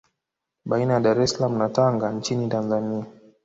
Baina ya Dar es Salaam na Tanga nchini Tanzania